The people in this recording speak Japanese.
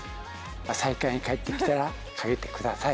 旭川に帰ってきたら、かけてください。